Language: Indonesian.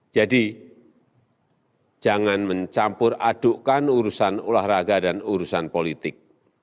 jadi jangan mencampur adukkan urusan olahraga dan urusan politik